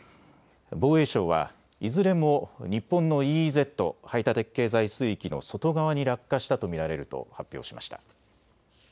防衛省はいずれも日本のＥＥＺ・排他的経済水域の外側に落下したと見られると発表しました。